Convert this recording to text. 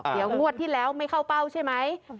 เดี๋ยวงวดที่แล้วไม่เข้าเป้าใช่ไหม